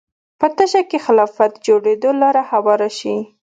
په تشه کې خلافت جوړېدو لاره هواره شي